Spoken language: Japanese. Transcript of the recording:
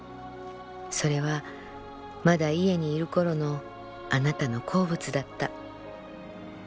それはまだ家にいる頃のあなたの好物だった」。